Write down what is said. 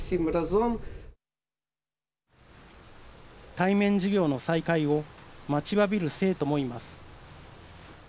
対面授業の再開を待ちわびる生徒もいます。